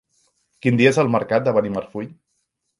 Quin dia és el mercat de Benimarfull?